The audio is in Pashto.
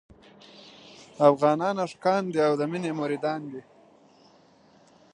افغانان عاشقان دي او د مينې مريدان دي.